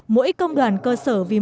mỗi công đoàn cơ sở vì một